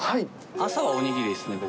朝はおにぎりですね、僕。